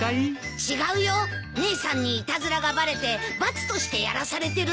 違うよ姉さんにいたずらがバレて罰としてやらされてるんだ。